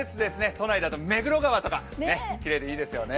都内だと目黒川とか、きれいでいいですよね。